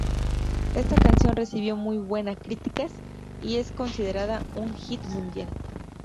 Esta canción recibió muy buena críticas y es considerada un "Hit Mundial".